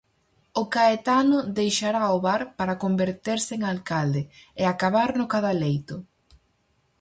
O Caetano deixará o bar para converterse en alcalde, e acabar no cadaleito.